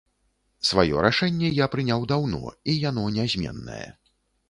Сваё рашэнне я прыняў даўно, і яно нязменнае.